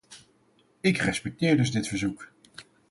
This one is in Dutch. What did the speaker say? Ik respecteer dus dit verzoek.